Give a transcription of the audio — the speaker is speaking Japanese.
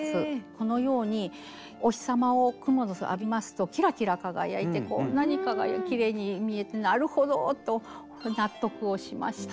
このようにお日様をクモの巣浴びますとキラキラ輝いてこんなにきれいに見えてなるほどと納得をしました。